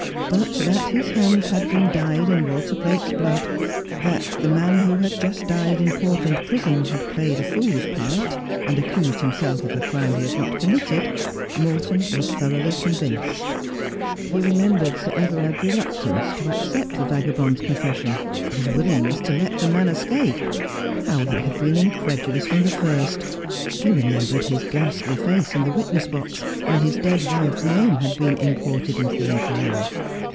But that his hands had been dyed in Walter Blake's blood, that the man who had just died in Portland prison had played a fool's part, and accused himself of a crime he had not committed, Morton was thoroughly convinced. He remembered Sir Everard's reluctance to accept the vagabond's confession ; his willingness to let the man escape ; how he had been incredulous from the first. He remembered his ghastly face in the witness box, when his dead wife's name had been imported into the inquiry.